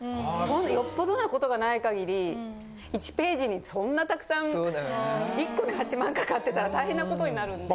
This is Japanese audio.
よっぽどな事がない限り１ぺージにそんなたくさん１個に８万かかってたら大変なことになるんで。